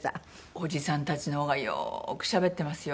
おじさんたちの方がよくしゃべってますよ